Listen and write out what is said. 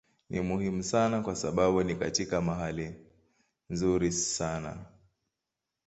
Ni muhimu sana kwa sababu ni katika mahali nzuri sana.